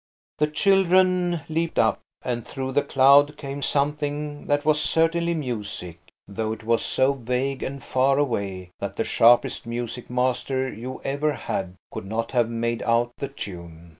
The children leaped up–and through the cloud came something that was certainly music, though it was so vague and far away that the sharpest music master you ever had could not have made out the tune.